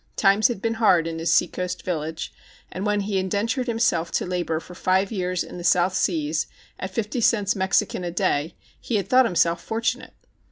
Times had been hard in his seacoast village, and when he indentured himself to labor for five years in the South Seas at fifty cents Mexican a day, he had thought himself fortunate.